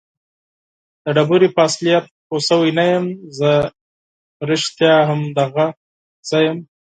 د ډبرې په اصلیت پوه شوی نه یم. زه رښتیا هم دغه زه یم؟